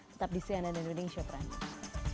tetap di cnn indonesia pranjur